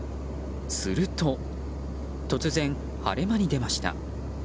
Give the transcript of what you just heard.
すると突然、晴れ間に出ました。